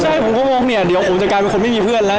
ใช่ผมก็งงเนี่ยเดี๋ยวผมจะกลายเป็นคนไม่มีเพื่อนแล้ว